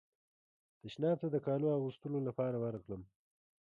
تشناب ته د کالو اغوستلو لپاره ورغلم.